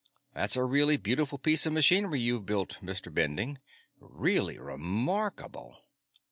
"That's a really beautiful piece of machinery you've built, Mr. Bending. Really remarkable."